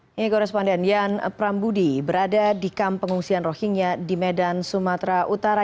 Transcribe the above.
ini koresponden yan prambudi berada di kamp pengungsian rohingya di medan sumatera utara